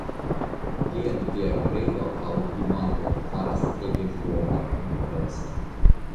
Tiam tia kredo aŭ imago faras ege fortan impreson.